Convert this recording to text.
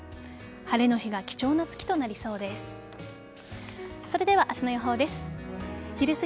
晴れの日が貴重な月となりそうです。